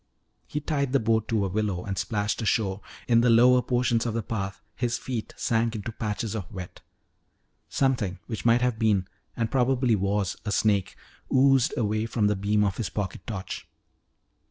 He tied the boat to a willow and splashed ashore. In the lower portions of the path his feet sank into patches of wet. Something which might have been and probably was a snake oozed away from the beam of his pocket torch.